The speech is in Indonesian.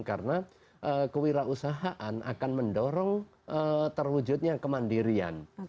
karena kewirausahaan akan mendorong terwujudnya kemandirian